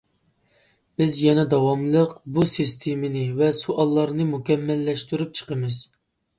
بىز يەنە داۋاملىق بۇ سىستېمىنى ۋە سوئاللارنى مۇكەممەللەشتۈرۈپ چىقىمىز.